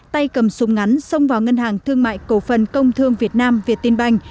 tay cầm súng ngắn xông vào ngân hàng thương mại cầu phần công thương việt nam việt tiên banh